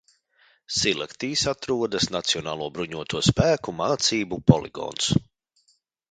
Silaktīs atrodas Nacionālo bruņoto spēku mācību poligons.